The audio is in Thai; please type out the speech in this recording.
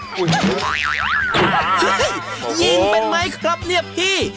ยิงเป็นไหมครับเนี่ยพี่